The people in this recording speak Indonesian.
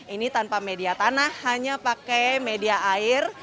ini tanpa media tanah hanya pakai media air